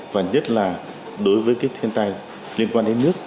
và nhất là đối với cái thiên tai liên quan đến nước